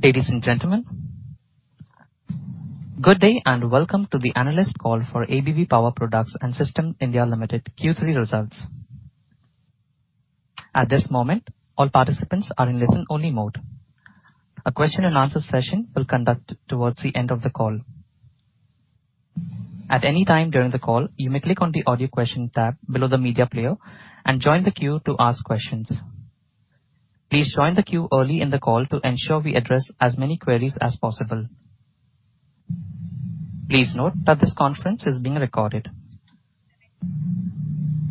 Ladies and gentlemen, good day and welcome to the analyst call for ABB Power Products and Systems India Limited Q3 results. At this moment, all participants are in listen-only mode. A question and answer session will conduct towards the end of the call. At any time during the call, you may click on the audio question tab below the media player and join the queue to ask questions. Please join the queue early in the call to ensure we address as many queries as possible. Please note that this conference is being recorded.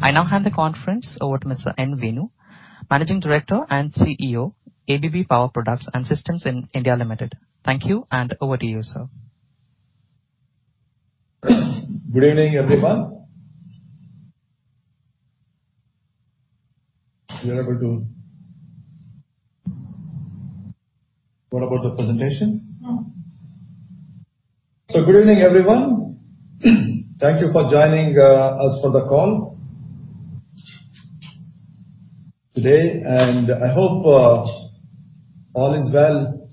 I now hand the conference over to Mr. Venu Nuguri, Managing Director and CEO, ABB Power Products and Systems India Limited. Thank you, and over to you, sir. Good evening, everyone. What about the presentation? No. Good evening, everyone. Thank you for joining us for the call today, and I hope all is well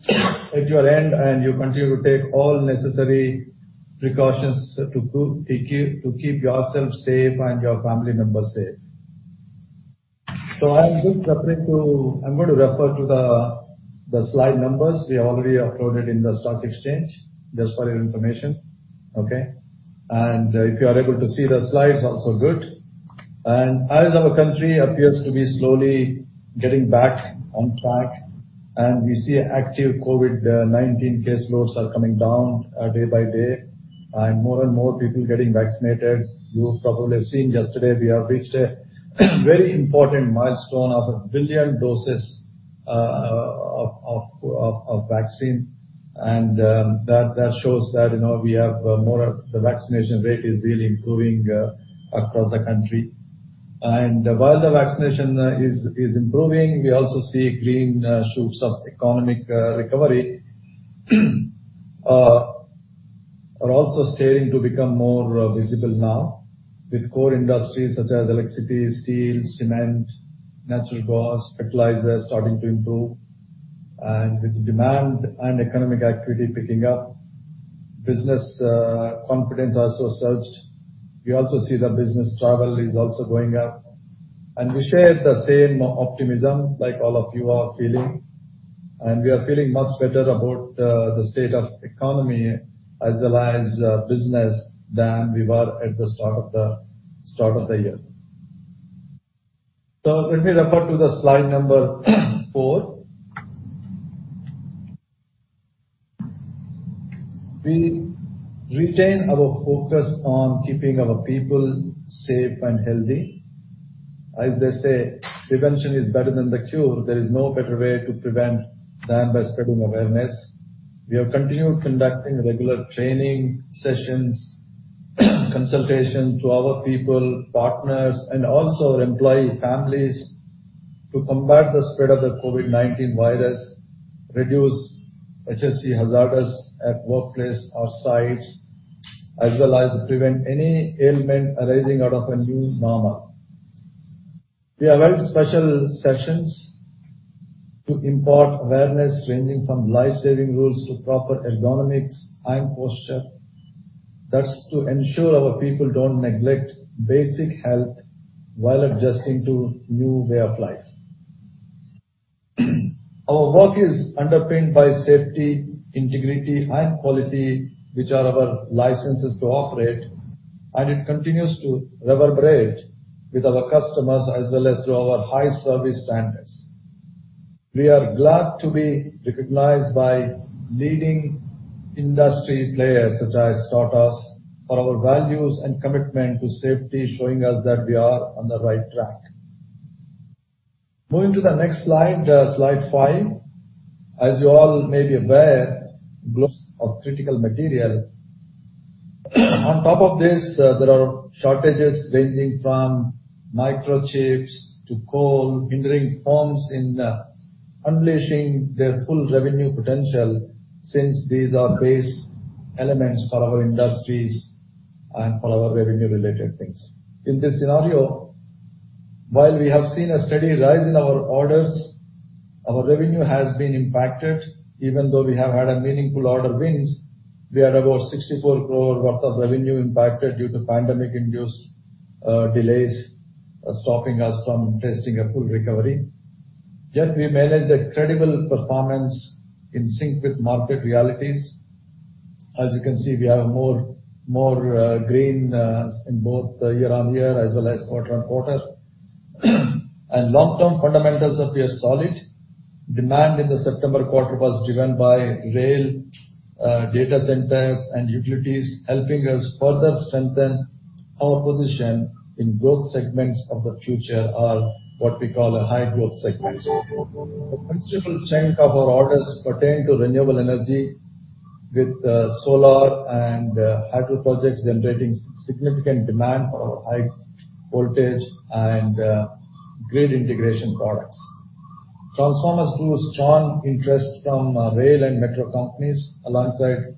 at your end and you continue to take all necessary precautions to keep yourself safe and your family members safe. I'm going to refer to the slide numbers we already uploaded in the stock exchange, just for your information. Okay. If you are able to see the slides, also good. As our country appears to be slowly getting back on track, and we see active COVID-19 caseloads are coming down day by day, and more and more people getting vaccinated. You probably have seen yesterday, we have reached a very important milestone of 1 billion doses of vaccine. That shows that the vaccination rate is really improving across the country. While the vaccination is improving, we also see green shoots of economic recovery are also starting to become more visible now with core industries such as electricity, steel, cement, natural gas, fertilizers starting to improve. With demand and economic activity picking up, business confidence also surged. We also see that business travel is also going up. We share the same optimism like all of you are feeling, and we are feeling much better about the state of economy as well as business than we were at the start of the year. Let me refer to the slide number four. We retain our focus on keeping our people safe and healthy. As they say, prevention is better than the cure. There is no better way to prevent than by spreading awareness. We have continued conducting regular training sessions, consultation to our people, partners, and also our employees' families to combat the spread of the COVID-19 virus, reduce HSE hazards at workplace or sites, as well as prevent any ailment arising out of a new normal. We arranged special sessions to impart awareness ranging from life-saving rules to proper ergonomics and posture. That's to ensure our people don't neglect basic health while adjusting to new way of life. Our work is underpinned by safety, integrity, and quality, which are our licenses to operate, and it continues to reverberate with our customers as well as through our high service standards. We are glad to be recognized by leading industry players, such as Tata, for our values and commitment to safety, showing us that we are on the right track. Moving to the next slide five. As you all may be aware, global of critical material. On top of this, there are shortages ranging from microchips to coal, hindering firms in unleashing their full revenue potential since these are base elements for our industries and for our revenue-related things. In this scenario, while we have seen a steady rise in our orders, our revenue has been impacted. Even though we have had a meaningful order wins, we had about 64 crore worth of revenue impacted due to pandemic-induced delays stopping us from tasting a full recovery. Yet we managed a credible performance in sync with market realities. As you can see, we have more green in both year-over-year as well as quarter-over-quarter. Long-term fundamentals appear solid. Demand in the September quarter was driven by rail, data centers, and utilities, helping us further strengthen our position in growth segments of the future or what we call high-growth segments. A principal chunk of our orders pertain to renewable energy with solar and hydro projects generating significant demand for our high voltage and grid integration products. Transformers drew strong interest from rail and metro companies alongside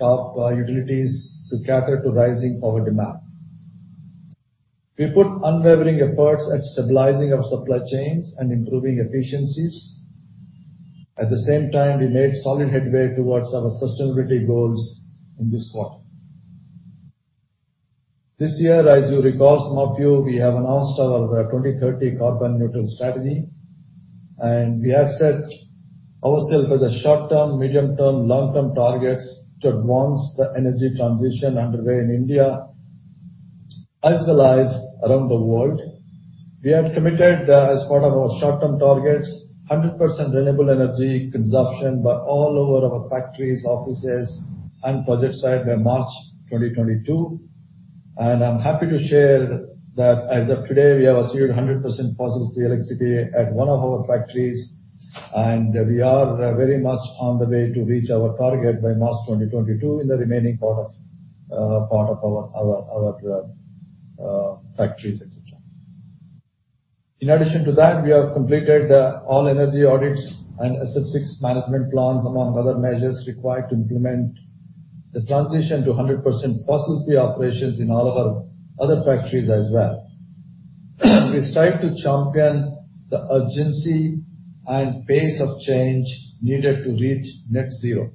top utilities to cater to rising power demand. We put unwavering efforts at stabilizing our supply chains and improving efficiencies. At the same time, we made solid headway towards our sustainability goals in this quarter. This year, as you recall, some of you, we have announced our 2030 Carbon Neutral Strategy, and we have set ourselves with the short-term, medium-term, long-term targets to advance the energy transition underway in India, as well as around the world. We have committed, as part of our short-term targets, 100% renewable energy consumption by all over our factories, offices, and project site by March 2022. I'm happy to share that as of today, we have achieved 100% fossil-free electricity at one of our factories, and we are very much on the way to reach our target by March 2022 in the remaining part of our factories, et cetera. In addition to that, we have completed all energy audits and SF6 management plans, among other measures required to implement the transition to 100% fossil-free operations in all of our other factories as well. We strive to champion the urgency and pace of change needed to reach net zero.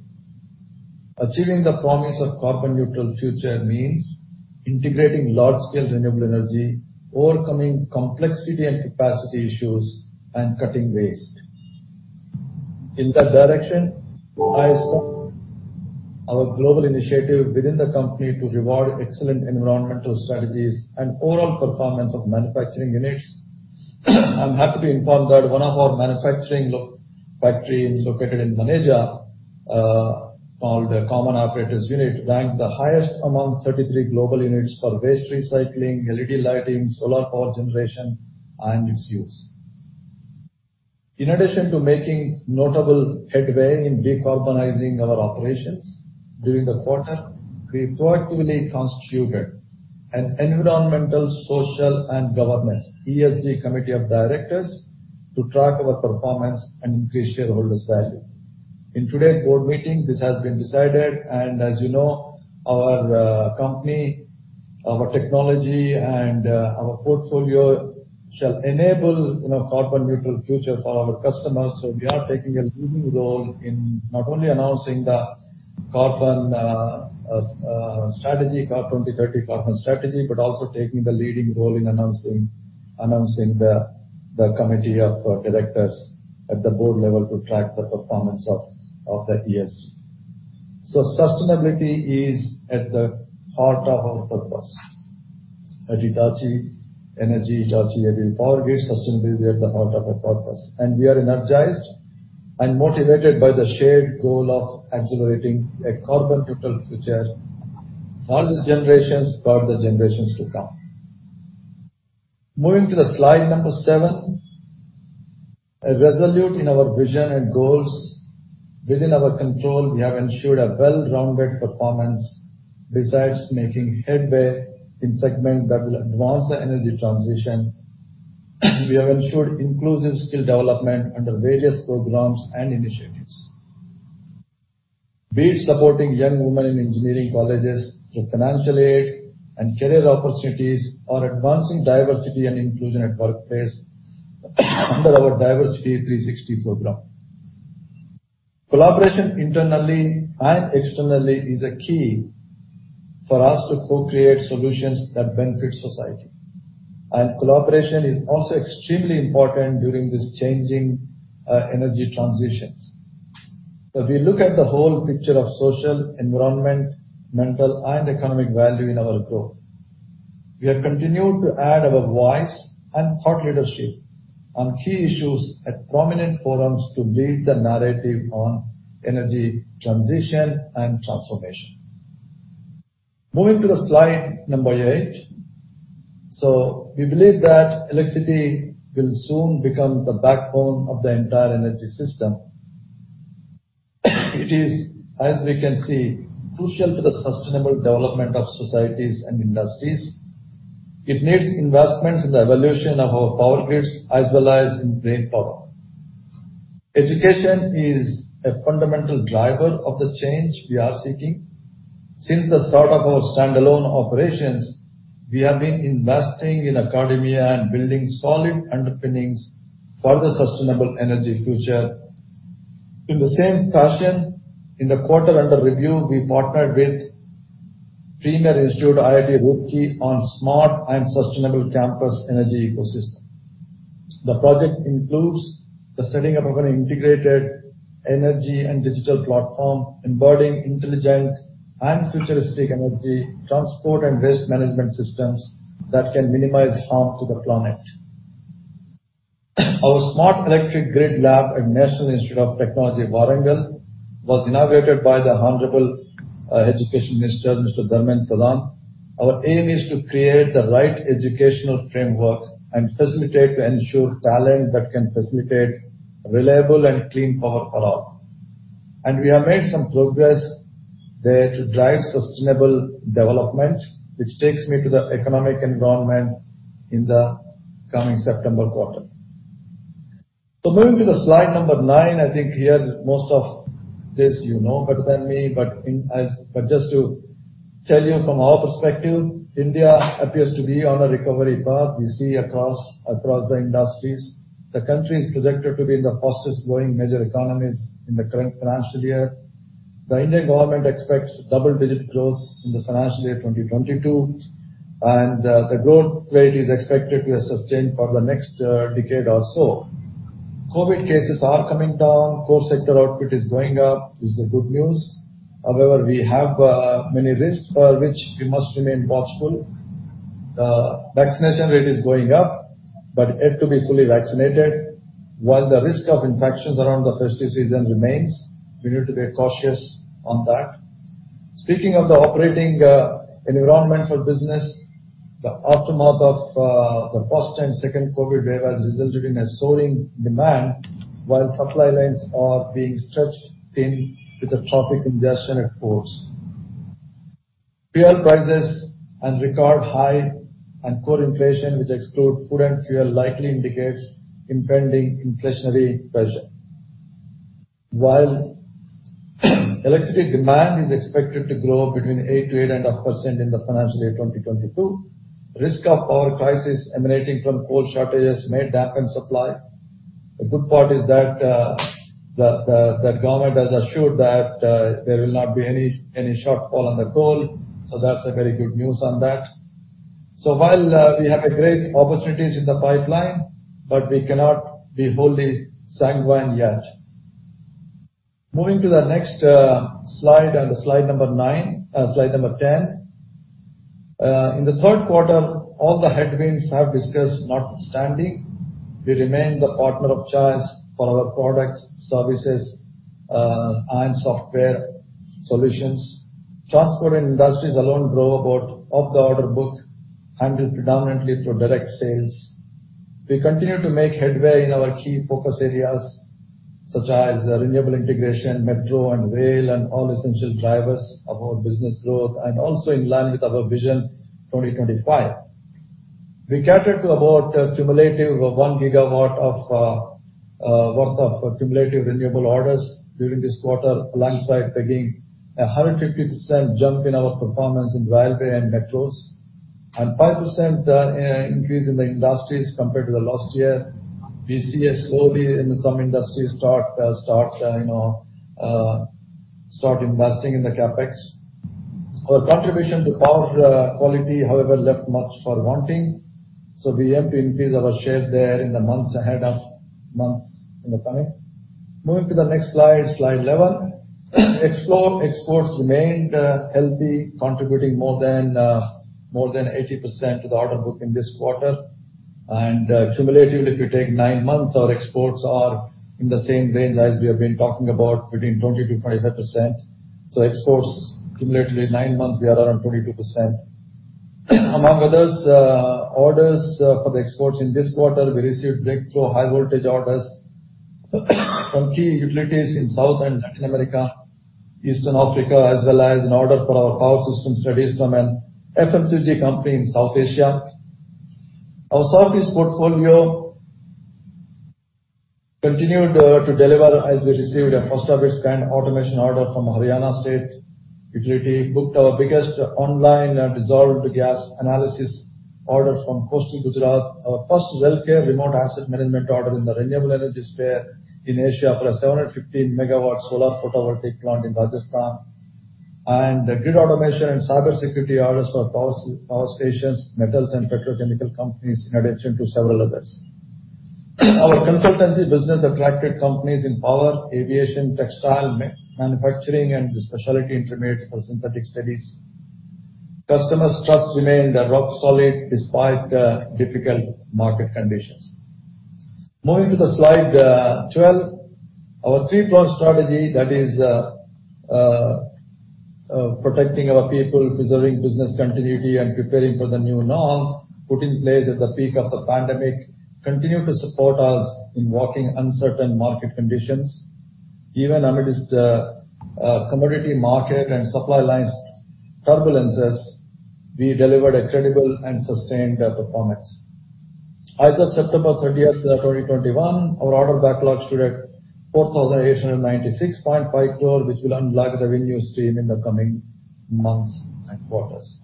Achieving the promise of carbon-neutral future means integrating large scale renewable energy, overcoming complexity and capacity issues, and cutting waste. In that direction, as part of a global initiative within the company to reward excellent environmental strategies and overall performance of manufacturing units. I'm happy to inform that one of our manufacturing factory located in Maneja, called Common Apparatus Unit, ranked the highest among 33 global units for waste recycling, LED lighting, solar power generation, and its use. In addition to making notable headway in decarbonizing our operations during the quarter, we proactively constituted an environmental, social, and governance, ESG, committee of directors to track our performance and increase shareholders' value. In today's board meeting, this has been decided, and as you know, our company, our technology, and our portfolio shall enable carbon-neutral future for our customers. We are taking a leading role in not only announcing the 2030 carbon strategy, but also taking the leading role in announcing the committee of directors at the board level to track the performance of the ESG. Sustainability is at the heart of our purpose. At Hitachi Energy, Hitachi Energy, sustainability is at the heart of our purpose. We are energized and motivated by the shared goal of accelerating a carbon-neutral future for this generation, for the generations to come. Moving to the slide number 7. Resolute in our vision and goals. Within our control, we have ensured a well-rounded performance. Besides making headway in segment that will advance the energy transition, we have ensured inclusive skill development under various programs and initiatives. Be it supporting young women in engineering colleges through financial aid and career opportunities or advancing diversity and inclusion at workplace under our Diversity 360 program. Collaboration internally and externally is a key for us to co-create solutions that benefit society. Collaboration is also extremely important during this changing energy transitions. If we look at the whole picture of social, environmental, and economic value in our growth, we have continued to add our voice and thought leadership on key issues at prominent forums to lead the narrative on energy transition and transformation. Moving to the slide number eight. We believe that electricity will soon become the backbone of the entire energy system. It is, as we can see, crucial to the sustainable development of societies and industries. It needs investments in the evolution of our power grids, as well as in brainpower. Education is a fundamental driver of the change we are seeking. Since the start of our standalone operations, we have been investing in academia and building solid underpinnings for the sustainable energy future. In the same fashion, in the quarter under review, we partnered with Premier Institute IIT Roorkee on smart and sustainable campus energy ecosystem. The project includes the setting up of an integrated energy and digital platform, embedding intelligent and futuristic energy transport and waste management systems that can minimize harm to the planet. Our smart electric grid lab at National Institute of Technology, Warangal was inaugurated by the Honorable Education Minister, Mr. Dharmendra Pradhan. Our aim is to create the right educational framework and facilitate to ensure talent that can facilitate reliable and clean power for all. We have made some progress there to drive sustainable development, which takes me to the economic environment in the coming September quarter. Moving to the slide number 9, I think here, most of this you know better than me. Just to tell you from our perspective, India appears to be on a recovery path. We see across the industries. The country is projected to be in the fastest growing major economies in the current financial year. The Indian government expects double-digit growth in the financial year 2022, and the growth rate is expected to sustain for the next decade or so. COVID-19 cases are coming down. Core sector output is going up. This is a good news. However, we have many risks for which we must remain watchful. Vaccination rate is going up, but yet to be fully vaccinated. While the risk of infections around the festive season remains, we need to be cautious on that. Speaking of the operating environment for business, the aftermath of the first and second COVID-19 wave has resulted in a soaring demand, while supply lines are being stretched thin with the traffic congestion at ports. Fuel prices and record high and core inflation, which exclude food and fuel, likely indicates impending inflationary pressure. While electricity demand is expected to grow between 8%-8.5% in the financial year 2022, risk of power crisis emanating from coal shortages may dampen supply. The good part is that the government has assured that there will not be any shortfall on the coal. That's a very good news on that. While we have a great opportunities in the pipeline, but we cannot be wholly sanguine yet. Moving to the next slide number 10. In the third quarter, all the headwinds I've discussed notwithstanding, we remain the partner of choice for our products, services, and software solutions. Transport and industries alone drove about of the order book handled predominantly through direct sales. We continue to make headway in our key focus areas such as renewable integration, metro and rail and all essential drivers of our business growth and also in line with our Vision 2025. We catered to about cumulative 1 GW of worth of cumulative renewable orders during this quarter, alongside pegging 150% jump in our performance in railway and metros, and 5% increase in the industries compared to the last year. We see slowly in some industries start investing in the CapEx. Our contribution to power quality, however, left much for wanting, we aim to increase our share there in the months ahead of months in the coming. Moving to the next slide 11. Exports remained healthy, contributing more than 80% to the order book in this quarter. Cumulatively, if you take nine months, our exports are in the same range as we have been talking about, between 20%-25%. Exports cumulatively nine months, we are around 22%. Among others, orders for the exports in this quarter, we received breakthrough high voltage orders from key utilities in South and Latin America, Eastern Africa, as well as an order for our power system studies from an FMCG company in South Asia. Our services portfolio continued to deliver as we received a first-of-its-kind automation order from Haryana state utility, booked our biggest online dissolved gas analysis order from coastal Gujarat. Our first RelCare remote asset management order in the renewable energy sphere in Asia for a 750 MW solar photovoltaic plant in Rajasthan, the grid automation and cybersecurity orders for power stations, metals and petrochemical companies, in addition to several others. Our consultancy business attracted companies in power, aviation, textile, manufacturing, and specialty intermediates for synthetic studies. Customers' trust remained rock solid despite difficult market conditions. Moving to slide 12. Our three-pronged strategy, that is protecting our people, preserving business continuity, and preparing for the new norm put in place at the peak of the pandemic, continue to support us in working uncertain market conditions. Even amidst commodity market and supply lines turbulences, we delivered a credible and sustained performance. As of September 30, 2021, our order backlog stood at 4,896.5 crore, which will unlock the revenue stream in the coming months and quarters.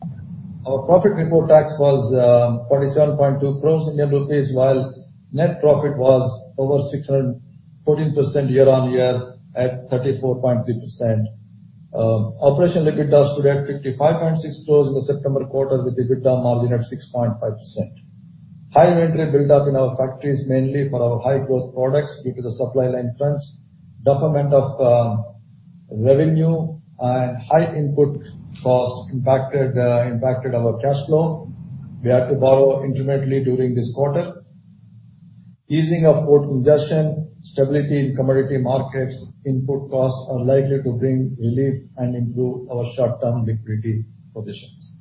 Our profit before tax was 47.2 crore Indian rupees, while net profit was over 614% year-on-year at 34.3%. Operational EBITDA stood at 55.6 crore in the September quarter with EBITDA margin at 6.5%. Higher inventory buildup in our factories, mainly for our high-growth products due to the supply line crunch, deferment of revenue and high input cost impacted our cash flow. We had to borrow incrementally during this quarter. Easing of port congestion, stability in commodity markets, input costs are likely to bring relief and improve our short-term liquidity positions.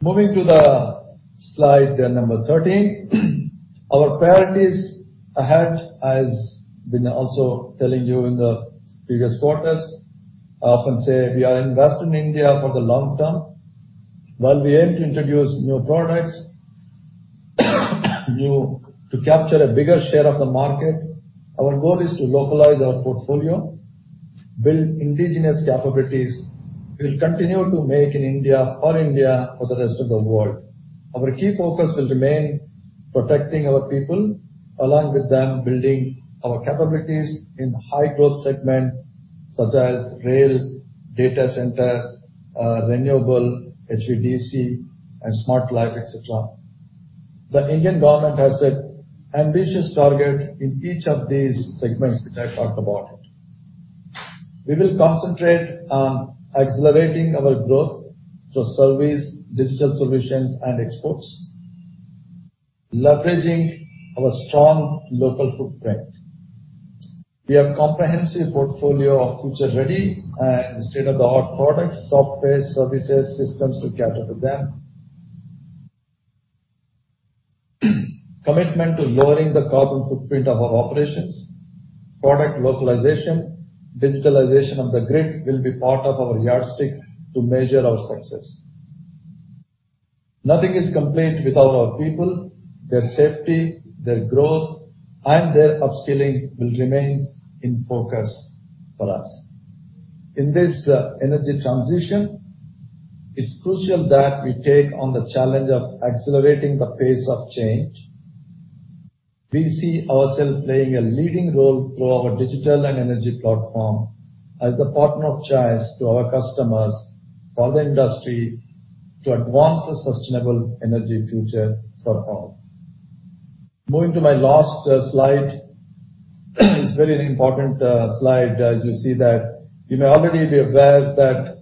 Moving to the slide number 13. Our priorities ahead, as been also telling you in the previous quarters. I often say we are invested in India for the long term. While we aim to introduce new products, to capture a bigger share of the market, our goal is to localize our portfolio, build indigenous capabilities. We'll continue to make in India for India, for the rest of the world. Our key focus will remain protecting our people, along with them, building our capabilities in high-growth segment such as rail, data center, renewable, HVDC and smart grid, et cetera. The Indian government has set ambitious target in each of these segments which I talked about. We will concentrate on accelerating our growth through service, digital solutions and exports, leveraging our strong local footprint. We have comprehensive portfolio of future ready and state-of-the-art products, software, services, systems to cater to them. Commitment to lowering the carbon footprint of our operations, product localization, digitalization of the grid will be part of our yardstick to measure our success. Nothing is complete without our people. Their safety, their growth, and their upskilling will remain in focus for us. In this energy transition, it's crucial that we take on the challenge of accelerating the pace of change. We see ourselves playing a leading role through our digital and energy platform as the partner of choice to our customers, for the industry, to advance a sustainable energy future for all. Moving to my last slide. It's very important slide, as you see that you may already be aware that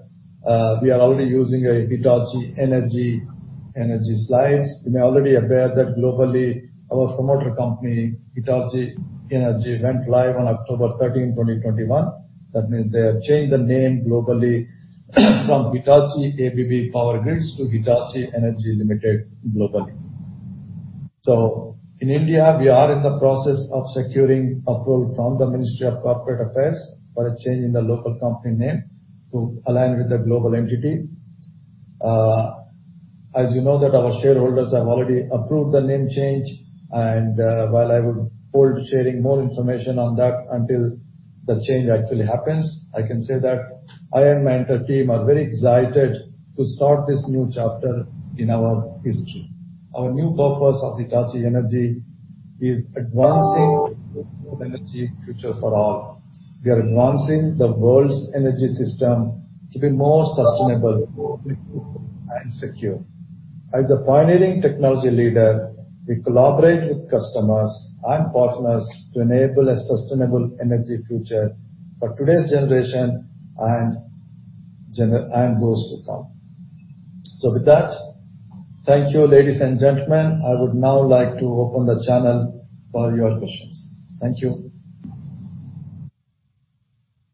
we are already using a Hitachi Energy slides. You may already aware that globally, our promoter company, Hitachi Energy, went live on October 13, 2021. That means they have changed the name globally from Hitachi ABB Power Grids to Hitachi Energy Ltd. globally. In India, we are in the process of securing approval from the Ministry of Corporate Affairs for a change in the local company name to align with the global entity. As you know that our shareholders have already approved the name change, and while I would hold sharing more information on that until the change actually happens, I can say that I and my entire team are very excited to start this new chapter in our history. Our new purpose of Hitachi Energy is advancing energy future for all. We are advancing the world's energy system to be more sustainable and secure. As a pioneering technology leader, we collaborate with customers and partners to enable a sustainable energy future for today's generation and those to come. With that, thank you, ladies and gentlemen. I would now like to open the channel for your questions. Thank you.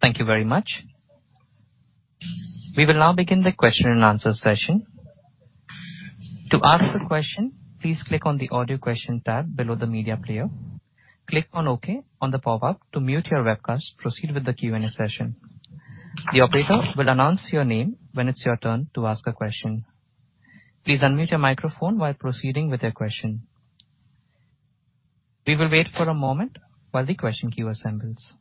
Thank you very much. We will now begin the question and answer session. The operator will announce your name when it's your turn to ask a question. Please unmute your microphone while proceeding with your question. We will wait for a moment while the question queue assembles.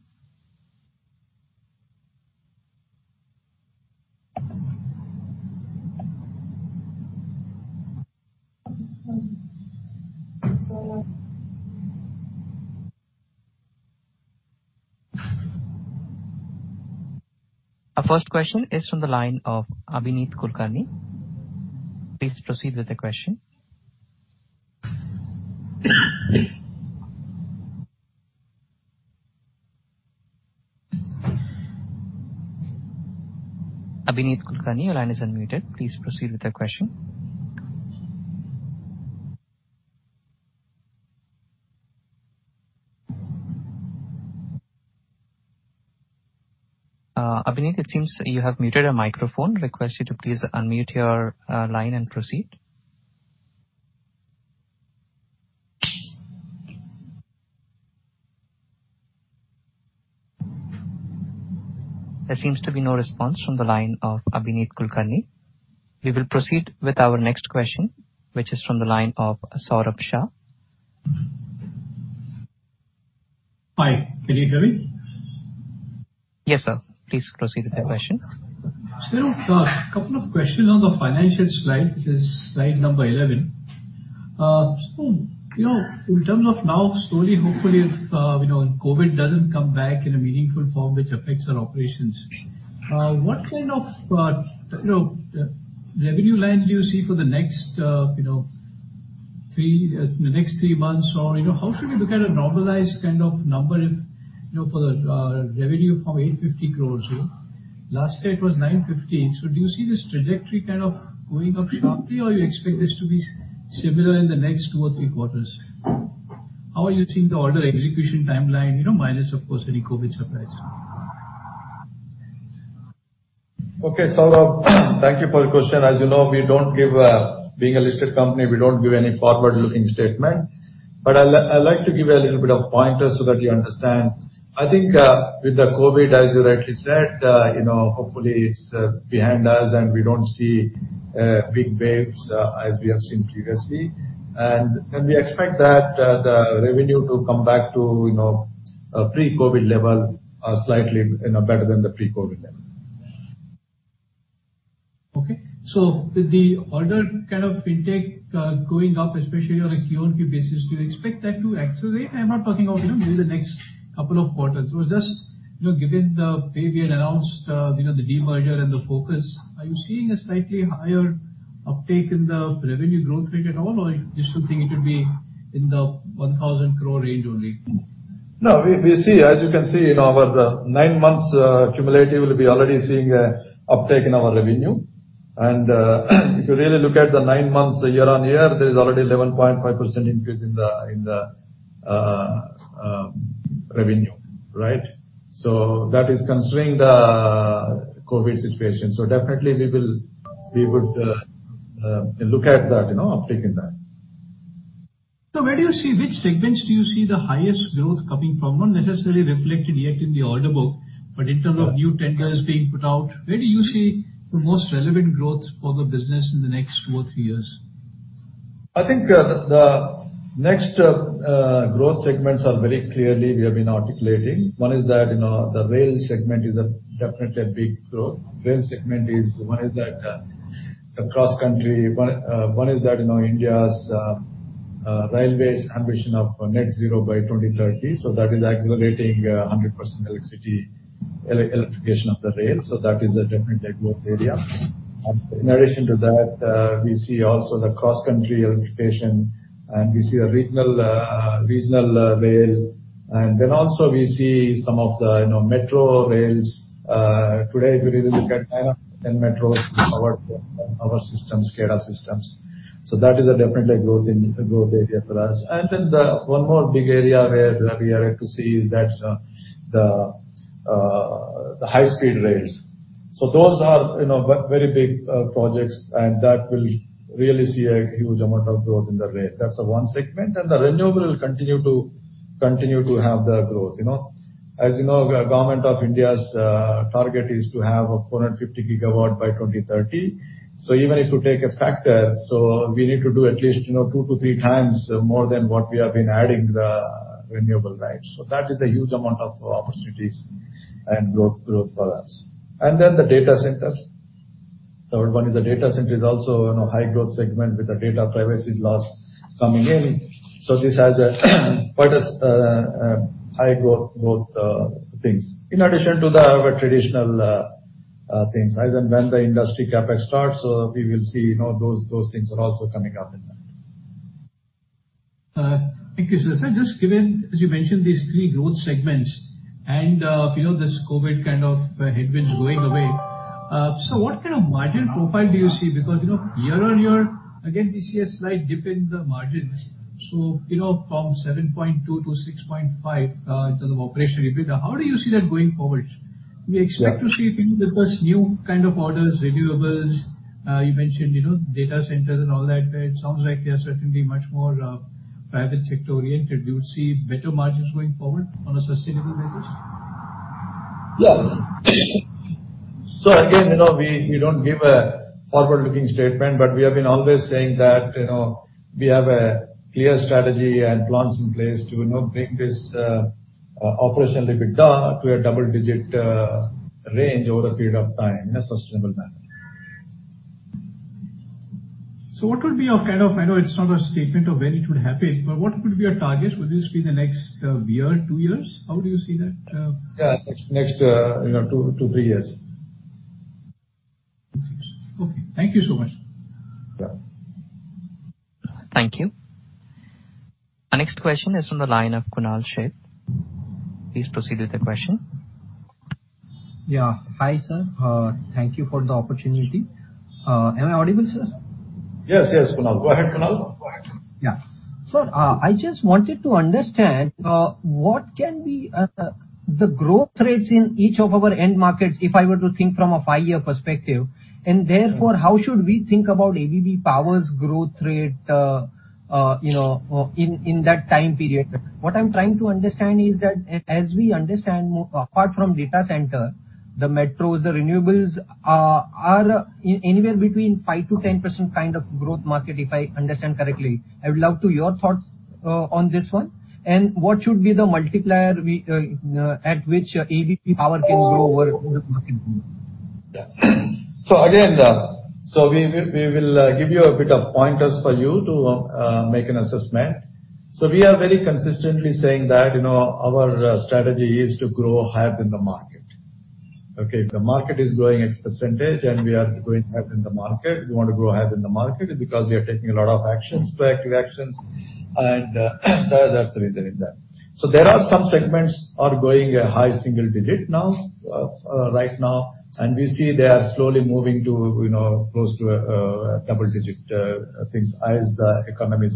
Our first question is from the line of Abineet Kulkarni. Please proceed with the question. Abineet Kulkarni, your line is unmuted. Please proceed with your question. Abineet, it seems you have muted your microphone. Request you to please unmute your line and proceed. There seems to be no response from the line of Abineet Kulkarni. We will proceed with our next question, which is from the line of Saurabh Shah. Hi, can you hear me? Yes, sir. Please proceed with your question. Saurabh, a couple of questions on the financial slide. This is slide number 11. In terms of now, slowly, hopefully if COVID-19 doesn't come back in a meaningful form which affects our operations, what kind of revenue lines do you see for the next three months? Or, how should we look at a normalized kind of number if for the revenue from 850 crore? Last year it was 950 crore. Do you see this trajectory kind of going up sharply, or you expect this to be similar in the next two or three quarters? How are you seeing the order execution timeline, minus, of course, any COVID-19 supplies? Okay, Saurabh, thank you for your question. As you know, being a listed company, we don't give any forward-looking statement. I'd like to give you a little bit of pointers so that you understand. I think with the COVID, as you rightly said, hopefully it's behind us and we don't see big waves as we have seen previously. We expect the revenue to come back to pre-COVID level, slightly better than the pre-COVID level. Okay. With the order intake going up, especially on a quarter-on-quarter basis, do you expect that to accelerate? I'm not talking about within the next couple of quarters. Just given the way we had announced the demerger and the focus, are you seeing a slightly higher uptake in the revenue growth rate at all, or you still think it would be in the 1,000 crore range only? No. As you can see, in our nine months cumulative, we'll be already seeing a uptake in our revenue. If you really look at the nine months year-on-year, there's already 11.5% increase in the revenue. Right? That is considering the COVID situation. Definitely we would look at that uptake in that. Which segments do you see the highest growth coming from? Not necessarily reflected yet in the order book. Yeah In terms of new tenders being put out, where do you see the most relevant growth for the business in the next two or three years? I think the next growth segments are very clearly, we have been articulating. One is that the rail segment is definitely a big growth. One is that cross-country, one is that India's railways ambition of net zero by 2030. That is accelerating 100% electrification of the rail. That is a definitely a growth area. In addition to that, we see also the cross-country electrification, and we see a regional rail. Also we see some of the 10 metros, our systems, SCADA systems. That is a definitely a growth area for us. The one more big area where we are happy to see is that the high-speed rails. Those are very big projects, and that will really see a huge amount of growth in the rail. That's one segment. The renewable will continue to have the growth. As you know, Government of India's target is to have 450 GW by 2030. Even if you take a factor, we need to do at least two to three times more than what we have been adding the renewable, right? That is a huge amount of opportunities and growth for us. The data centers. Third one is the data center, is also high-growth segment with the data privacy laws coming in. This has a quite a high-growth things. In addition to the other traditional things, as and when the industry CapEx starts, we will see those things are also coming up in that. Thank you, sir. Just given, as you mentioned, these three growth segments and this COVID kind of headwinds going away. What kind of margin profile do you see? Year-on-year, again, we see a slight dip in the margins. From 7.2% to 6.5% in terms of operational EBITDA. How do you see that going forward? Do you expect to see, because new kind of orders, renewables, you mentioned data centers and all that, where it sounds like they are certainly much more private sector-oriented. Do you see better margins going forward on a sustainable basis? Yeah. Again, we don't give a forward-looking statement. We have been always saying that we have a clear strategy and plans in place to bring this operational EBITDA to a double-digit range over a period of time in a sustainable manner. What would be your kind of I know it's not a statement of when it would happen, but what would be a target? Would this be in the next year, two years? How do you see that? Yeah. Next two, three years. Two, three years. Okay. Thank you so much. Yeah. Thank you. Our next question is from the line of Kunal Sheth. Please proceed with the question. Yeah. Hi, sir. Thank you for the opportunity. Am I audible, sir? Yes, Kunal. Go ahead, Kunal. Go ahead. Yeah. Sir, I just wanted to understand what can be the growth rates in each of our end markets if I were to think from a five-year perspective. Therefore, how should we think about ABB Power's growth rate in that time period? What I'm trying to understand is that as we understand, apart from data center, the metros, the renewables are anywhere between 5%-10% kind of growth market, if I understand correctly. I would love to hear your thoughts on this one, and what should be the multiplier at which ABB Power can grow over this market? Yeah. Again, we will give you a bit of pointers for you to make an assessment. We are very consistently saying that our strategy is to grow higher than the market. Okay? If the market is growing X% and we are growing higher than the market, we want to grow higher than the market because we are taking a lot of actions, proactive actions, and that's the reason in that. There are some segments are growing a high single-digit right now, and we see they are slowly moving close to double-digit things as the economy is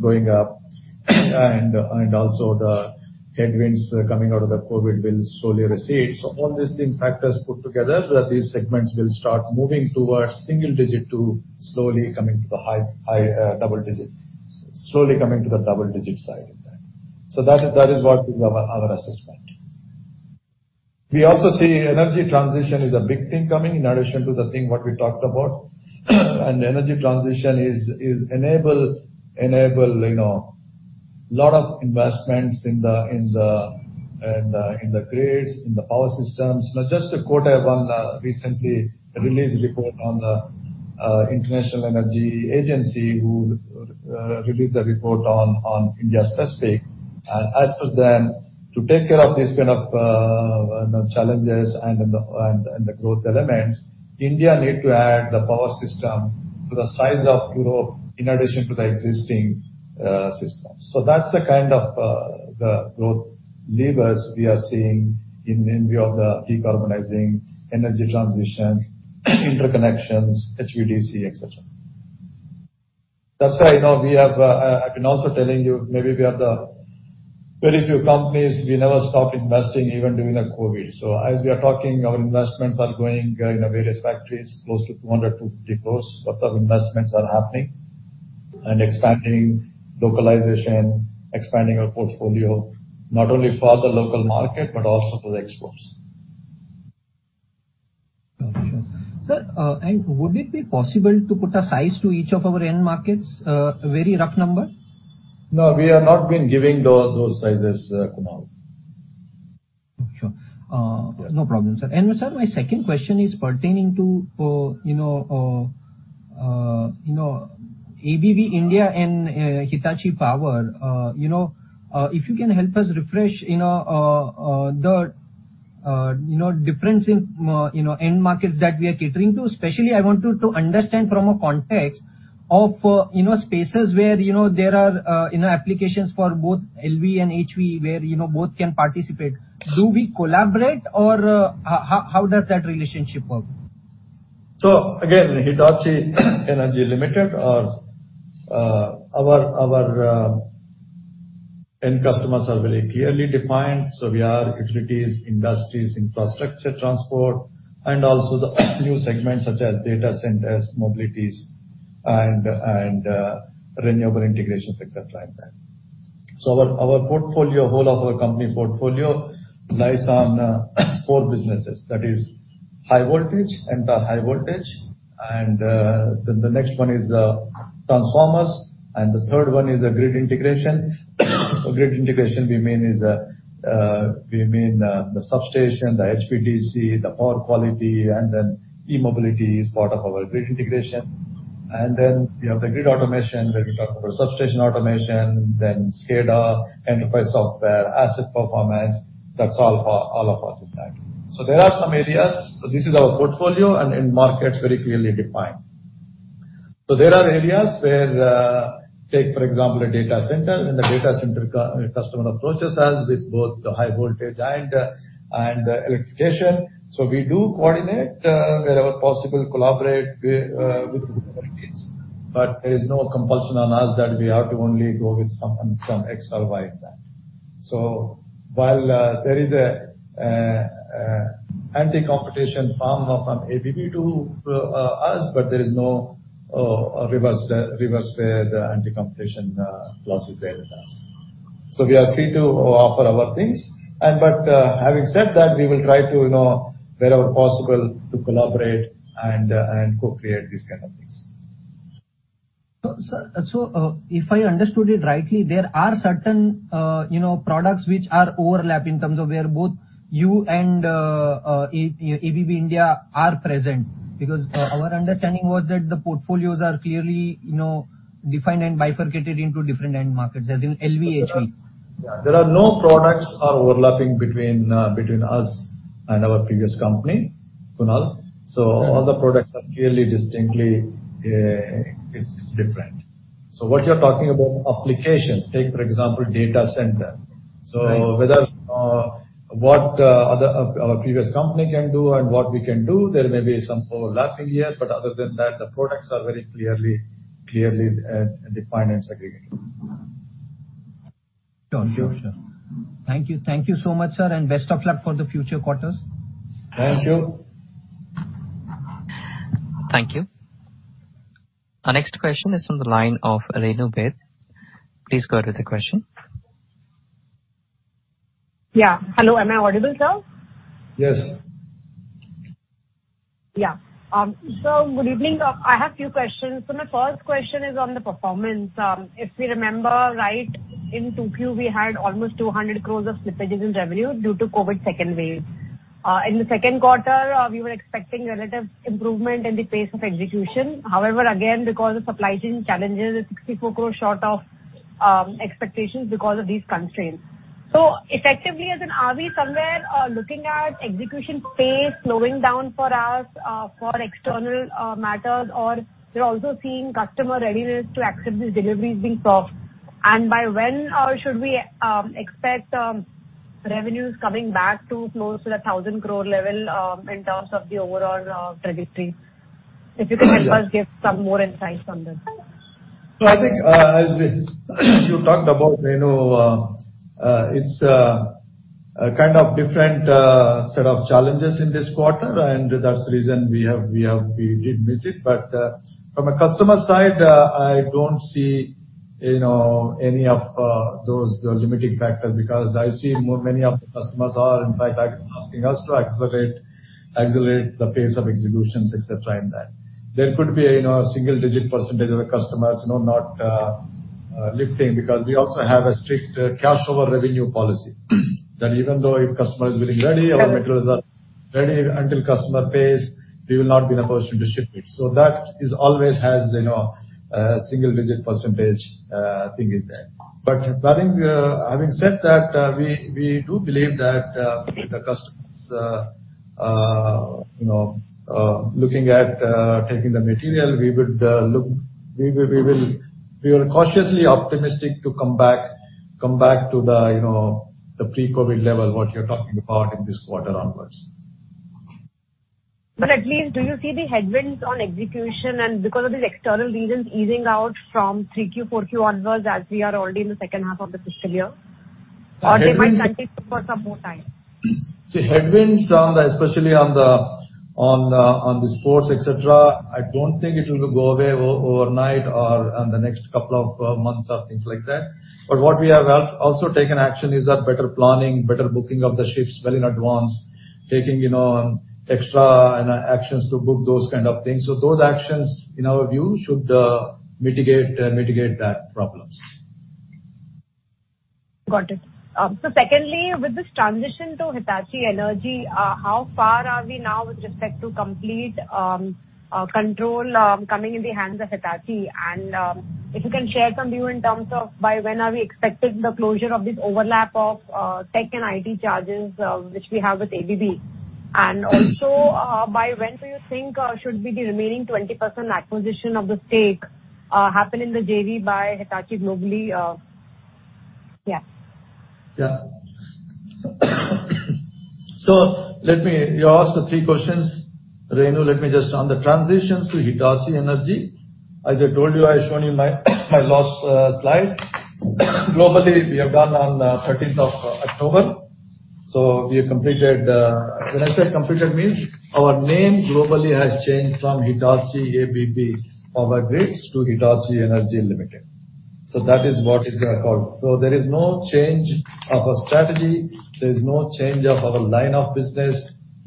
going up and also the headwinds coming out of the COVID will slowly recede. All these factors put together, these segments will start moving towards single-digit to slowly coming to the double-digit side in time. That is what is our assessment. We also see energy transition is a big thing coming in addition to the thing what we talked about. Energy transition enable a lot of investments in the grids, in the power systems. Just to quote one recently released report on the International Energy Agency, who released a report on India specific. As per them, to take care of these kind of challenges and the growth elements, India need to add the power system to the size of Europe in addition to the existing system. That's the kind of the growth levers we are seeing in view of the decarbonizing energy transitions, interconnections, HVDC, et cetera. That's why, I've been also telling you, maybe we are the very few companies, we never stopped investing even during the COVID. As we are talking, our investments are going in various factories, close to 200 crore-250 crore worth of investments are happening. Expanding localization, expanding our portfolio, not only for the local market, but also for the exports. Got you. Sir, would it be possible to put a size to each of our end markets? A very rough number? No, we have not been giving those sizes, Kunal. Sure. No problem, sir. Sir, my second question is pertaining to ABB India and Hitachi Energy. If you can help us refresh the difference in end markets that we are catering to. Especially, I want to understand from a context of spaces where there are inner applications for both LV and HV, where both can participate. Do we collaborate or how does that relationship work? Again, Hitachi Energy Ltd., our end customers are very clearly defined. We are utilities, industries, infrastructure, transport and also the new segments such as data centers, mobilities and renewable integrations, et cetera, like that. Our portfolio, whole of our company portfolio, lies on four businesses. That is high voltage, and the next one is the transformers, and the third one is a grid integration. Grid integration, we mean the substation, the HVDC, the power quality, and then e-mobility is part of our grid integration. Then we have the grid automation, where we talk about substation automation, then SCADA, enterprise software, asset performance. That's all of us in that. There are some areas. This is our portfolio and end markets very clearly defined. There are areas where, take for example, a data center. When the data center customer approaches us with both the high voltage and electrification. We do coordinate, wherever possible, collaborate with utilities. There is no compulsion on us that we have to only go with some X or Y on that. While there is anti-competition from ABB to us, but there is no reverse, where the anti-competition clause is there with us. We are free to offer our things. Having said that, we will try to, wherever possible, to collaborate and co-create these kind of things. If I understood it rightly, there are certain products which are overlap in terms of where both you and ABB India are present. Our understanding was that the portfolios are clearly defined and bifurcated into different end markets, as in LV, HV. There are no products are overlapping between us and our previous company, Kunal. All the products are clearly distinctly different. What you're talking about applications, take, for example, data center. Right. What our previous company can do and what we can do, there may be some overlapping here. Other than that, the products are very clearly defined and segregated. Got you. Sure. Thank you so much, sir, and best of luck for the future quarters. Thank you. Thank you. Our next question is from the line of Renu Baid. Please go with the question. Hello, am I audible, sir? Yes. Yeah. Sir, good evening. I have few questions. My first question is on the performance. If we remember right, in 2Q, we had almost 200 crore of slippages in revenue due to COVID-19 second wave. In the second quarter, we were expecting relative improvement in the pace of execution. However, again, because of supply chain challenges, 64 crore short of expectations because of these constraints. Effectively, as in, are we somewhere looking at execution pace slowing down for us for external matters? We're also seeing customer readiness to accept these deliveries being paused. By when should we expect revenues coming back to close to the 1,000 crore level in terms of the overall trajectory? If you could help us give some more insights on this. I think as you talked about, Renu, it's a kind of different set of challenges in this quarter, and that's the reason we did miss it. From a customer side, I don't see any of those limiting factors, because I see many of the customers are in fact asking us to accelerate the pace of executions, et cetera, in that. There could be a single digit percentage of the customers not lifting, because we also have a strict cash over revenue policy. That even though if customer is billing ready, our materials are ready, until customer pays, we will not be in a position to ship it. That always has a single digit percentage thing in there. Having said that, we do believe that the customers looking at taking the material, we are cautiously optimistic to come back to the pre-COVID level, what you're talking about, in this quarter onwards. At least do you see the headwinds on execution and because of these external reasons easing out from 3Q, 4Q onwards as we are already in the second half of the fiscal year? Or they might continue for some more time? Headwinds, especially on the ports, et cetera, I don't think it will go away overnight or on the next couple of months or things like that. What we have also taken action is that better planning, better booking of the ships well in advance. Taking extra actions to book those kind of things. Those actions, in our view, should mitigate those problems. Got it. Secondly, with this transition to Hitachi Energy, how far are we now with respect to complete control coming in the hands of Hitachi? If you can share some view in terms of by when are we expecting the closure of this overlap of tech and IT charges which we have with ABB. Also, by when do you think should be the remaining 20% acquisition of the stake happen in the JV by Hitachi globally? Yeah. Yeah. You asked three questions, Renu. Let me just on the transitions to Hitachi Energy. As I told you, I shown you my last slide. Globally, we have done on 13th of October. We have completed When I say completed means our name globally has changed from Hitachi ABB Power Grids to Hitachi Energy Ltd. That is what is the accord. There is no change of our strategy. There's no change of our line of business.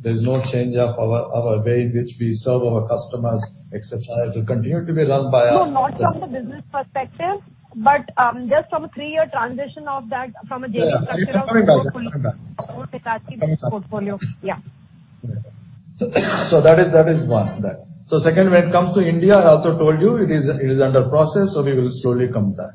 There's no change of our way in which we serve our customers, et cetera. It will continue to be run by our. No, not from the business perspective, but just from a three-year transition of that from a JV structure. Yeah. It's coming back. Hitachi portfolio. Yeah. That is one. Second, when it comes to India, I also told you it is under process, so we will slowly come back.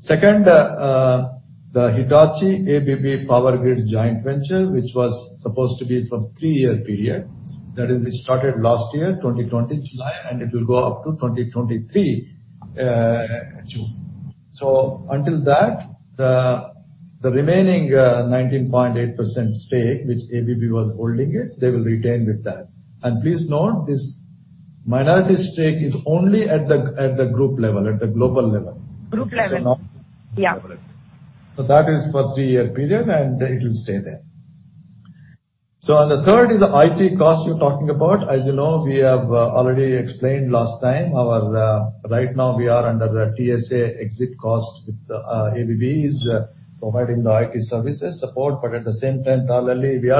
Second, the Hitachi ABB Power Grids joint venture, which was supposed to be from three-year period. That is, it started last year, 2020 July, and it will go up to 2023 June. Until that, the remaining 19.8% stake, which ABB was holding it, they will retain with that. Please note, this minority stake is only at the group level, at the global level. Group level. Yeah. That is for three-year period, and it will stay there. The third is the IT cost you're talking about. As you know, we have already explained last time, right now we are under the TSA exit cost with ABB is providing the IT services support. At the same time, parallelly, we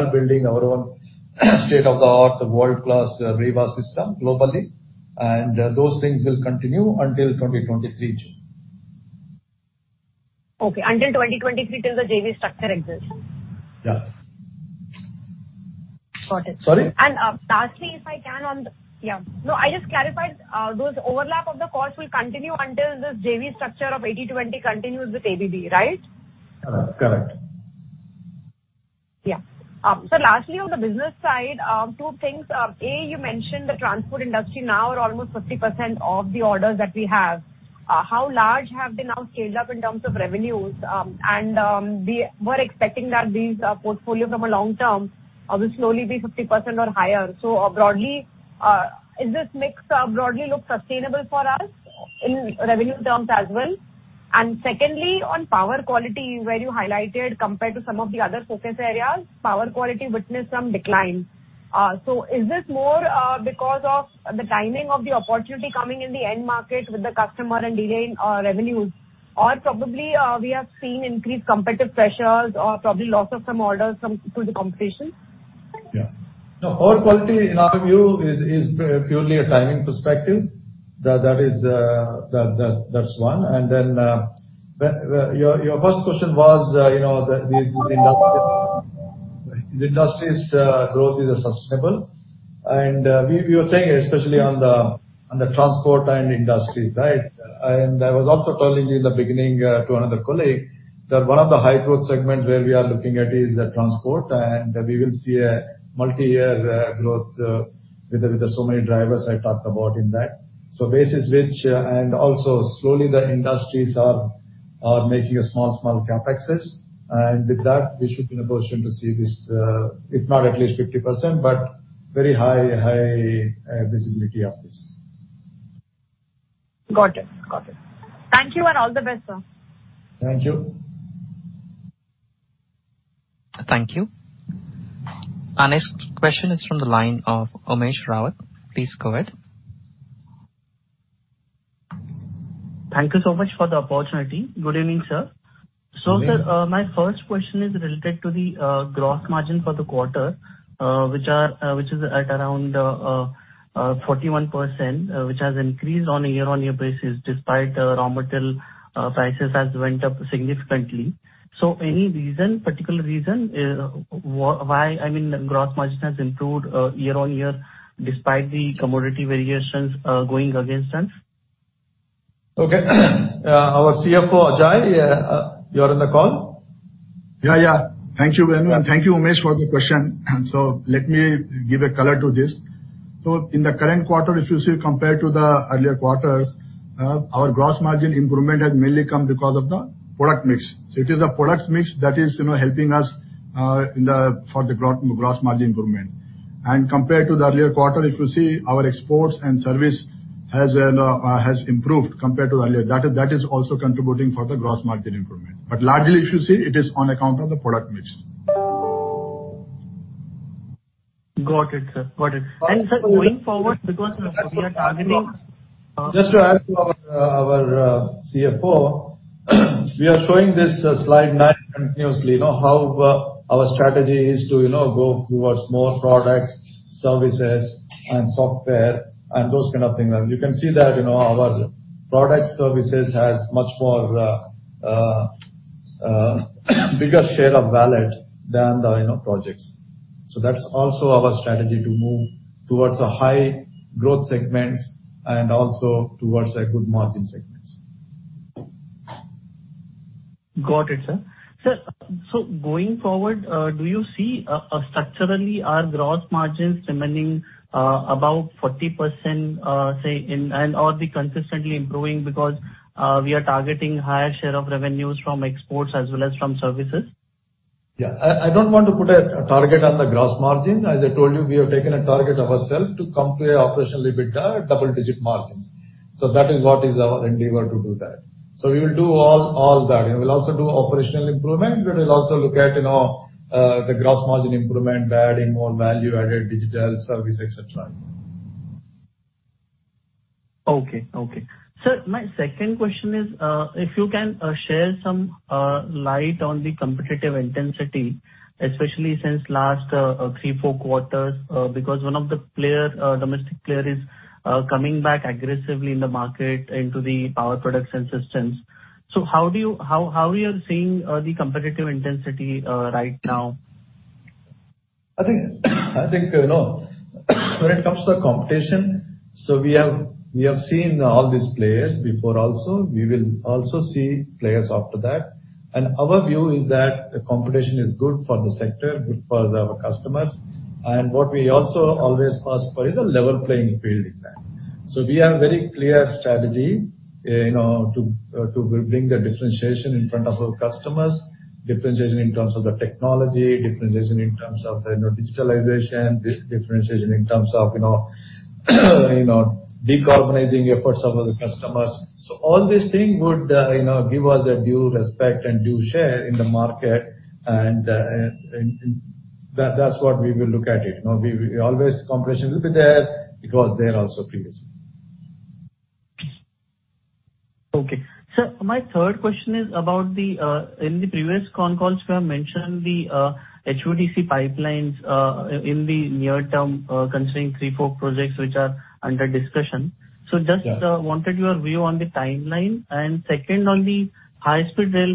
are building our own state-of-the-art, world-class REIWA system globally. Those things will continue until 2023, June. Okay. Until 2023, till the JV structure exists? Yeah. Got it. Sorry? Lastly, I just clarified those overlap of the cost will continue until this JV structure of 80/20 continues with ABB, right? Correct. Yeah. Lastly, on the business side, two things. A. You mentioned the transport industry now are almost 50% of the orders that we have. How large have they now scaled up in terms of revenues? We were expecting that these portfolios from a long term will slowly be 50% or higher. Broadly, is this mix broadly look sustainable for us in revenue terms as well? Secondly, on power quality, where you highlighted compared to some of the other focus areas, power quality witnessed some decline. Is this more because of the timing of the opportunity coming in the end market with the customer and delay in revenues? Or probably we have seen increased competitive pressures or probably loss of some orders to the competition? No, power quality in our view is purely a timing perspective. That's one. Your first question was, these industries growth is sustainable. We were saying, especially on the transport and industries. I was also telling you in the beginning to another colleague, that one of the high-growth segments where we are looking at is transport, and we will see a multi-year growth with so many drivers I talked about in that. Basis which, and also slowly the industries are making a small CapExes. With that, we should be in a position to see this, if not at least 50%, but very high visibility of this. Got it. Thank you, and all the best, sir. Thank you. Thank you. Our next question is from the line of Umesh Rawat. Please go ahead. Thank you so much for the opportunity. Good evening, sir. Good evening. Sir, my first question is related to the gross margin for the quarter, which is at around 41%, which has increased on a year-on-year basis despite raw material prices has went up significantly. Any particular reason why gross margin has improved year-on-year despite the commodity variations going against us? Okay. Our CFO, Ajay, you're in the call? Yeah. Thank you, Umesh, for the question. Let me give a color to this. In the current quarter, if you see compared to the earlier quarters, our gross margin improvement has mainly come because of the product mix. It is the product mix that is helping us for the gross margin improvement. Compared to the earlier quarter, if you see, our exports and service has improved compared to earlier. That is also contributing for the gross margin improvement. Largely, if you see, it is on account of the product mix. Got it, sir. Sir, going forward. Just to add to our CFO, we are showing this slide nine continuously, how our strategy is to go towards more products, services, and software and those kind of things. You can see that our product services has much more bigger share of wallet than the projects. That's also our strategy to move towards high-growth segments and also towards good margin segments. Got it, sir. Sir, going forward, do you see structurally our gross margins remaining about 40% say, and/or be consistently improving because we are targeting higher share of revenues from exports as well as from services? Yeah, I don't want to put a target on the gross margin. As I told you, we have taken a target ourselves to come to operational EBITDA double-digit margins. That is what is our endeavor to do that. We will do all that. We will also do operational improvement. We will also look at the gross margin improvement, adding more value-added digital service, et cetera. Okay. Sir, my second question is, if you can share some light on the competitive intensity, especially since last three, four quarters, because one of the domestic player is coming back aggressively in the market into the power products and systems. How you're seeing the competitive intensity right now? I think, when it comes to competition, we have seen all these players before also. We will also see players after that. Our view is that the competition is good for the sector, good for our customers. What we also always ask for is a level playing field in that. We have very clear strategy to bring the differentiation in front of our customers, differentiation in terms of the technology, differentiation in terms of the digitalization, differentiation in terms of decarbonizing efforts of the customers. All these thing would give us a due respect and due share in the market, and that's what we will look at it. Always competition will be there. It was there also previously. Okay. Sir, my third question is about the, in the previous con calls, you have mentioned the HVDC pipelines, in the near term, considering three, four projects which are under discussion. Yeah. Just wanted your view on the timeline. Second on the high-speed rail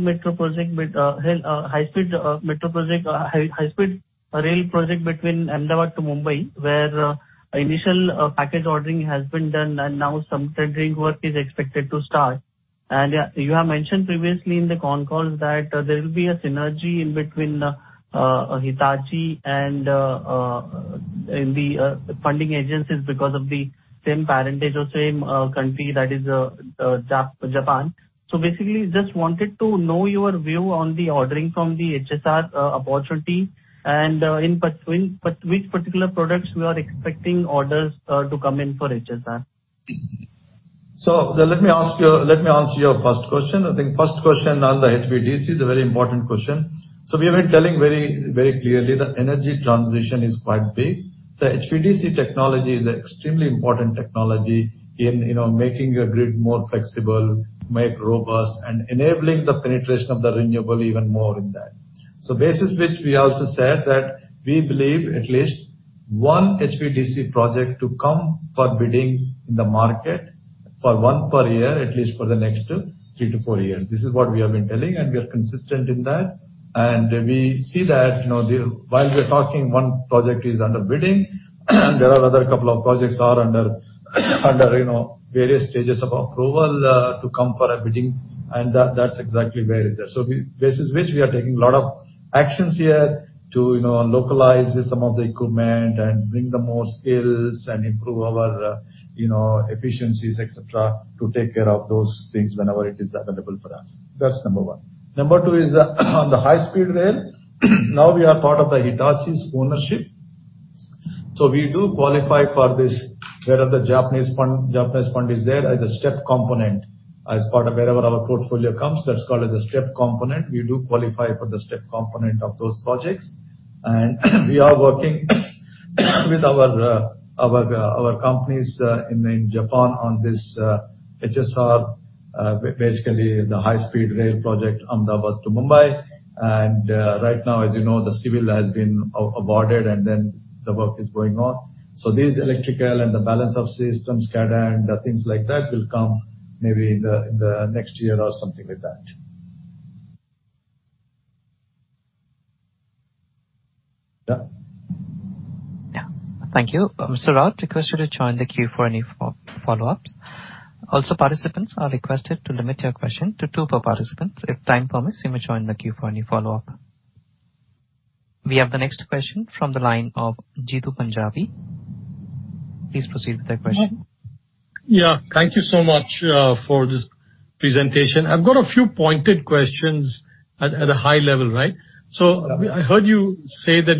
project between Ahmedabad to Mumbai, where initial package ordering has been done and now some tendering work is expected to start. You have mentioned previously in the con calls that there will be a synergy in between Hitachi and the funding agencies because of the same parentage or same country, that is Japan. Basically, just wanted to know your view on the ordering from the HSR opportunity and which particular products you are expecting orders to come in for HSR? Let me answer your first question. I think first question on the HVDC is a very important question. We have been telling very clearly that energy transition is quite big. The HVDC technology is extremely important technology in making a grid more flexible, make robust, and enabling the penetration of the renewable even more in that. Basis which we also said that we believe at least one HVDC project to come for bidding in the market for one per year, at least for the next three to four years. This is what we have been telling, and we are consistent in that. We see that while we're talking, one project is under bidding, and there are other couple of projects are under various stages of approval to come for a bidding. That's exactly where it is. Basis which we are taking a lot of actions here to localize some of the equipment and bring the more skills and improve our efficiencies, et cetera, to take care of those things whenever it is available for us. That's number one. Number two is on the high-speed rail. We are part of Hitachi's ownership. We do qualify for this, where the Japanese fund is there as a STEP component, as part of wherever our portfolio comes. That's called the STEP component. We do qualify for the STEP component of those projects. We are working with our companies in Japan on this HSR, basically the high-speed rail project, Ahmedabad to Mumbai. Right now, as you know, the civil has been awarded, and then the work is going on. This electrical and the balance of system, SCADA, and the things like that will come maybe in the next year or something like that. Done. Yeah. Thank you. Mr. Rawat, I request you to join the queue for any follow-ups. Also, participants are requested to limit your question to two per participant. If time permits, you may join the queue for any follow-up. We have the next question from the line of Jitu Panjabi. Please proceed with your question. Thank you so much for this presentation. I've got a few pointed questions at a high level, right? Yeah. I heard you say that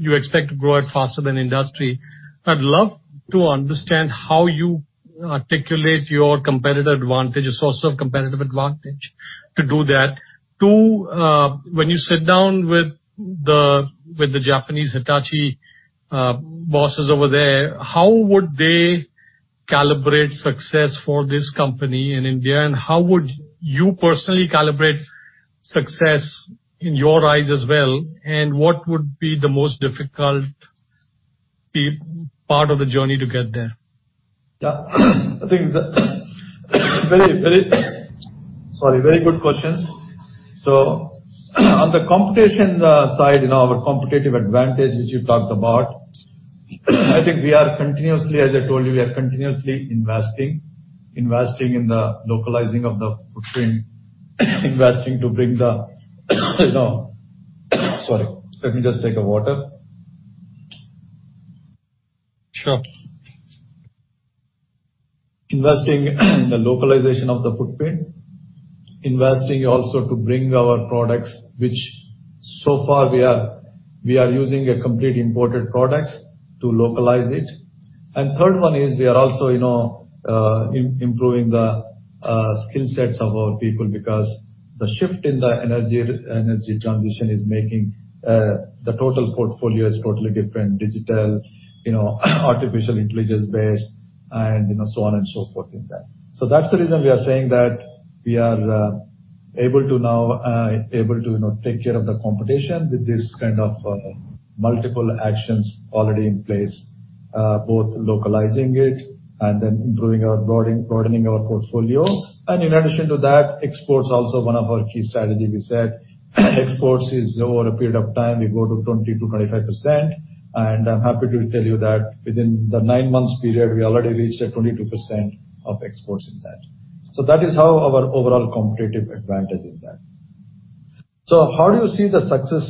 you expect to grow faster than industry. I would love to understand how you articulate your competitive advantage, a source of competitive advantage to do that. Two, when you sit down with the Japanese Hitachi bosses over there, how would they calibrate success for this company in India, and how would you personally calibrate success in your eyes as well? What would be the most difficult part of the journey to get there? Yeah. Very good questions. On the competition side, our competitive advantage, which you talked about, I think we are continuously, as I told you, we are continuously investing. Investing in the localizing of the footprint, investing to bring the Sorry, let me just take a water. Sure. Investing in the localization of the footprint. Investing also to bring our products, which so far we are using complete imported products to localize it. Third one is we are also improving the skill sets of our people because the shift in the energy transition is making the total portfolio totally different, digital, artificial intelligence-based, and so on and so forth in that. That's the reason we are saying that we are able to now take care of the competition with this kind of multiple actions already in place. Both localizing it and then improving our broadening our portfolio. In addition to that, exports also one of our key strategy, we said. Exports is over a period of time will go to 20%-25%. I'm happy to tell you that within the nine months period, we already reached 22% of exports in that. That is how our overall competitive advantage in that. How do you see the success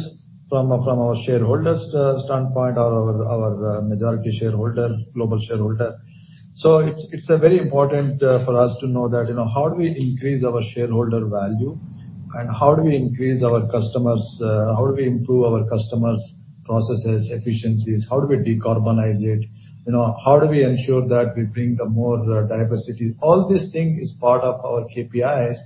from our shareholders' standpoint or our majority shareholder, global shareholder? It's very important for us to know that how do we increase our shareholder value, and how do we increase our customers, how do we improve our customers' processes, efficiencies? How do we decarbonize it? How do we ensure that we bring more diversity? All this thing is part of our KPIs,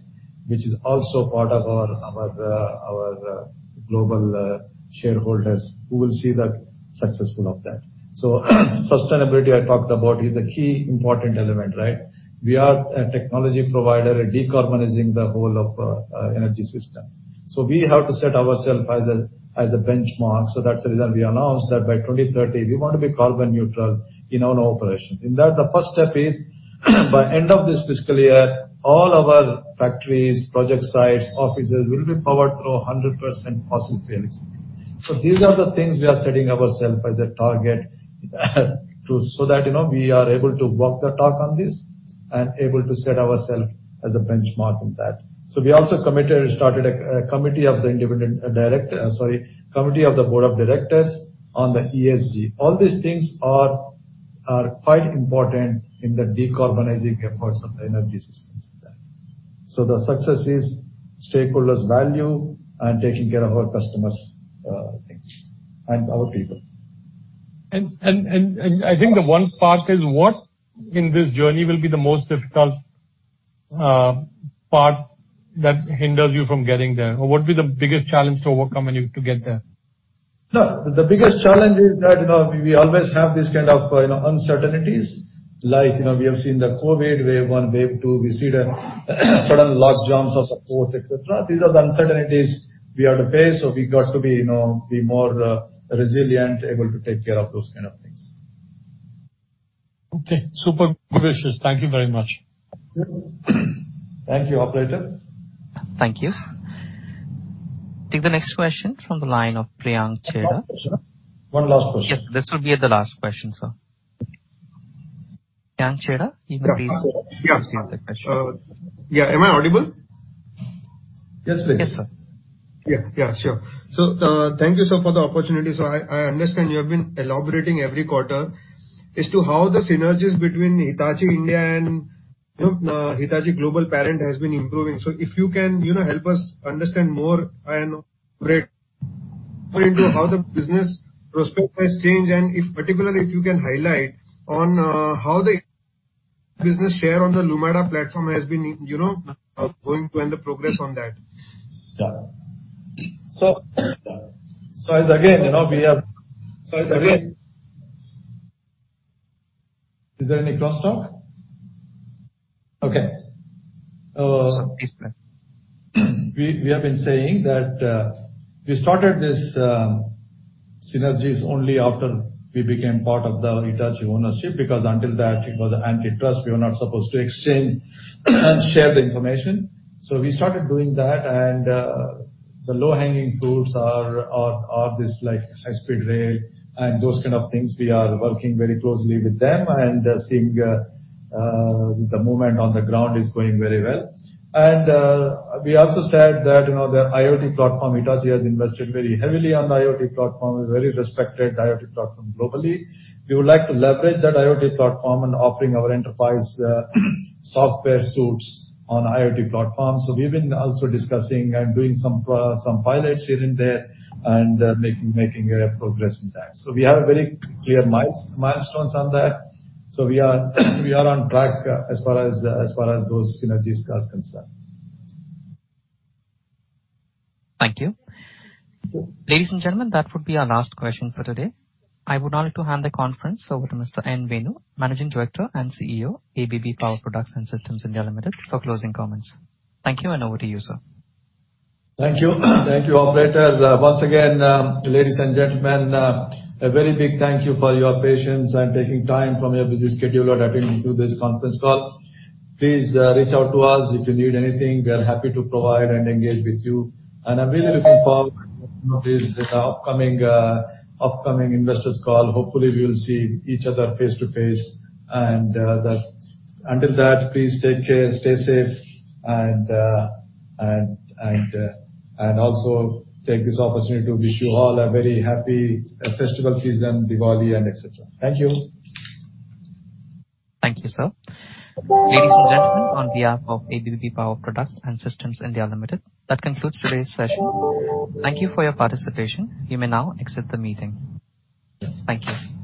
which is also part of our global shareholders who will see the success of that. Sustainability I talked about is a key important element, right? We are a technology provider decarbonizing the whole of energy system. We have to set ourself as the benchmark. That's the reason we announced that by 2030 we want to be carbon-neutral in our operations. In that, the first step is by end of this fiscal year, all our factories, project sites, offices will be powered through 100% fossil-free. These are the things we are setting ourself as a target so that we are able to walk the talk on this and able to set ourself as a benchmark on that. We also started a committee of the independent director, sorry, committee of the board of directors on the ESG. All these things are quite important in the decarbonizing efforts of the energy systems in that. The success is stakeholders' value and taking care of our customers' things and our people. I think the one part is what in this journey will be the most difficult part that hinders you from getting there? What will be the biggest challenge to overcome to get there? The biggest challenge is that we always have these kind of uncertainties. Like we have seen the COVID wave one, wave two. We see the sudden logjams of ports, et cetera. These are the uncertainties we have to face, so we got to be more resilient, able to take care of those kind of things. Okay. Superb wishes. Thank you very much. Thank you. Thank you. Operator. Thank you. Take the next question from the line of Priyank Chheda. One last question. Yes. This will be the last question, sir. Priyank Chheda, you may please- Yeah. Proceed with the question. Yeah. Am I audible? Yes, please. Yes, sir. Yeah, sure. Thank you, sir, for the opportunity. I understand you have been elaborating every quarter as to how the synergies between Hitachi Energy India and. Hitachi global parent has been improving. If you can help us understand more and break into how the business prospect has changed, and particularly, if you can highlight on how the business share on the Lumada platform has been going and the progress on that. Yeah. Is there any crosstalk? Okay. Sorry. Please proceed. We have been saying that we started these synergies only after we became part of the Hitachi ownership, because until that it was antitrust, we were not supposed to exchange and share the information. We started doing that, and the low-hanging fruits are this high-speed rail and those kind of things. We are working very closely with them and seeing the movement on the ground is going very well. We also said that their IoT platform, Hitachi has invested very heavily on the IoT platform, a very respected IoT platform globally. We would like to leverage that IoT platform in offering our enterprise software suites on IoT platform. We've been also discussing and doing some pilots here and there, and making progress in that. We have very clear milestones on that. We are on track as far as those synergies are concerned. Thank you. Sure. Ladies and gentlemen, that would be our last question for today. I would now like to hand the conference over to Mr. Venu Nuguri, Managing Director and CEO, Hitachi Energy India Limited, for closing comments. Thank you, and over to you, sir. Thank you. Thank you, operator. Once again, ladies and gentlemen, a very big thank you for your patience and taking time from your busy schedule and attending to this conference call. Please reach out to us if you need anything. We are happy to provide and engage with you, and I am really looking forward to this upcoming investors call. Hopefully, we will see each other face-to-face. Until that, please take care, stay safe, and also take this opportunity to wish you all a very happy festival season, Diwali, and et cetera. Thank you. Thank you, sir. Ladies and gentlemen, on behalf of ABB Power Products and Systems India Limited, that concludes today's session. Thank you for your participation. You may now exit the meeting. Thank you.